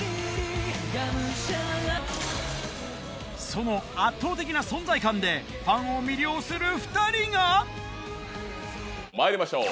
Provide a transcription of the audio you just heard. その圧倒的な存在感でファンを魅了する２人がまいりましょう。